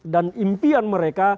dan impian mereka